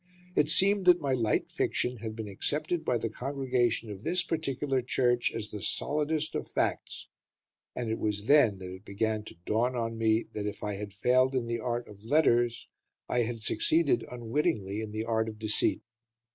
It seemed that my light fiction had been accepted by the congregation of this particular church as the solidest of facts; and it was then that it began to dawn on me that if I had failed in the art of letters, I had succeeded, unwittingly, in the art of deceit.